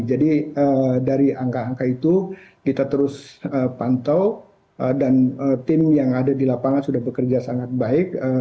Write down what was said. jadi dari angka angka itu kita terus pantau dan tim yang ada di lapangan sudah bekerja sangat baik